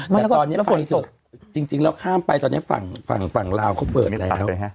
แต่ตอนนี้ไปเถอะจริงแล้วข้ามไปตอนนี้ฝั่งลาวเขาเปิดแล้ว